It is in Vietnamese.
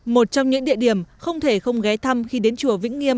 một trong những địa điểm không thể không ghé thăm khi đến chùa